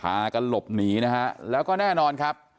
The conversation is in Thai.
พากันหลบหนีนะฮะแล้วก็แน่นอนครับ